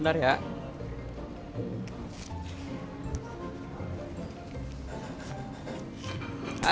ini tuh duit saya